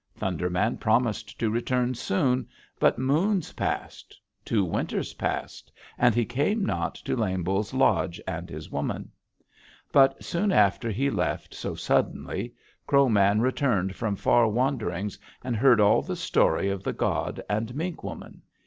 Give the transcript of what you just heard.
Thunder Man promised to return soon, but moons passed, two winters passed, and he came not to Lame Bull's lodge and his woman. But soon after he left so suddenly, Crow Man returned from far wanderings and heard all the story of the god and Mink Woman.